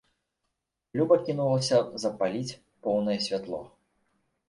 Люба кінулася запаліць поўнае святло.